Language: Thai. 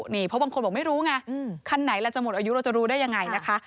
นี่เพราะบางคนบอกไม่รู้ไงคันไหนเราจะหมดอายุเราจะรู้ได้ยังไงนะคะ